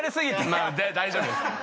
まあ大丈夫です。